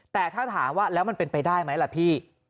แต่ถ้าถามว่าแล้วมันเป็นไปได้ไหมล่ะพี่